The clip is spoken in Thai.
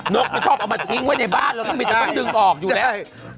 นกไม่ชอบเอามาพิ้งไว้ในบ้านแล้วว่าจะหมดช่วงออกอยู่แหละ